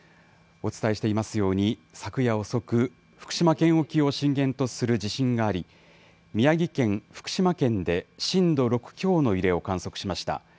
お伝えしていますように、昨夜遅く、福島県沖を震源とする地震があり、宮城県、福島県で震度６強の揺れを観測しました。